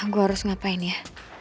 gue harus ngapain ya